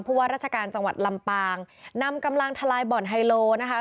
ว่าราชการจังหวัดลำปางนำกำลังทลายบ่อนไฮโลนะคะ